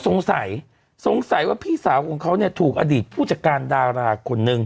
สงสัยสงสัยว่าพี่สาวของเขาเนี่ยถูกอดีตผู้จัดการดาราคนนึง